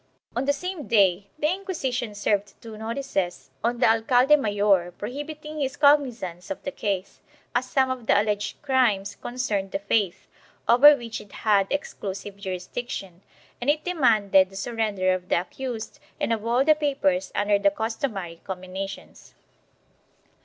On the same day the Inquisition served two notices on the alcalde mayor prohibiting his cognizance of the case, as some of the alleged crimes concerned the faith, over which it had exclusive jurisdiction, and it demanded the sur render of the accused and of all the papers under the customary comminations.